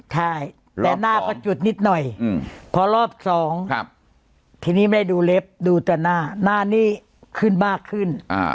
ใช่แต่หน้าก็จุดนิดหน่อยพอรอบสองทีนี้ไม่ได้ดูเล็บดูแต่หน้าหน้านี้ขึ้นมากขึ้น